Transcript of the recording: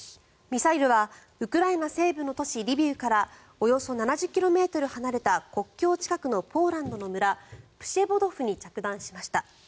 ミサイルはウクライナ西部の都市リビウからおよそ７０ｋｍ離れた国境近くのポーランドの村プシェポドフに着弾しました。